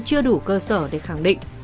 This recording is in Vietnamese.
chưa đủ cơ sở để khẳng định